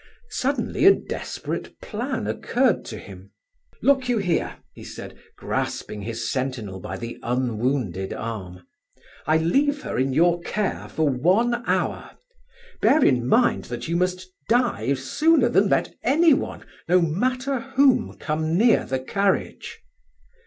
Suddenly a desperate plan occurred to him. "Look you here!" he said, grasping his sentinel by the unwounded arm. "I leave her in your care for one hour. Bear in mind that you must die sooner than let any one, no matter whom, come near the carriage!"